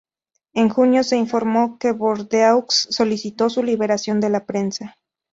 En junio, se informó que Bordeaux solicitó su liberación de la empresa.